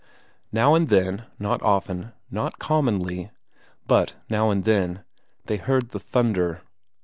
Now and then, not often; not commonly, but now and then, they heard the thunder.